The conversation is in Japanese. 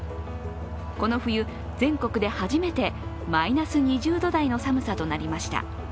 この冬、全国で初めてマイナス２０度台の寒さとなりました。